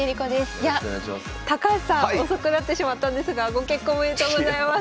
いや高橋さん遅くなってしまったんですがご結婚おめでとうございます。